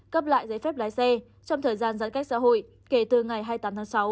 cấp lại giấy phép lái xe trong thời gian giãn cách xã hội kể từ ngày hai mươi tám tháng sáu